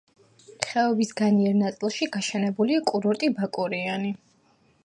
ხეობის განიერ ნაწილში გაშენებულია კურორტი ბაკურიანი.